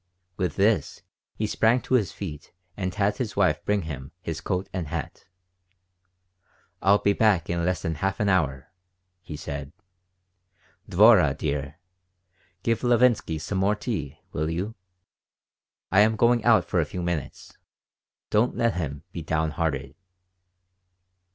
With this he sprang to his feet and had his wife bring him his coat and hat. "I'll be back in less than half an hour," he said. "Dvorah dear, give Levinsky some more tea, will you? I am going out for a few minutes. Don't let him be downhearted."